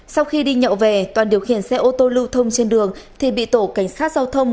sau khi đi nhậu về toàn điều khiển xe ô tô lưu thông trên đường thì bị tổ cảnh sát giao thông